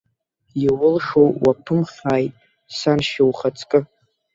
Иулшо уаԥымхааит, саншьа ухаҵкы.